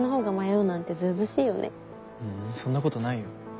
ううんそんなことないよ。